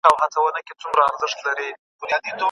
موږ باید خپلو دودونو ته درناوی ولرو.